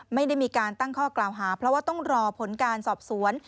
ไม่ได้มีการตั้งข้อกล่าวหาเพราะว่าต้องรอผลการสอบสวน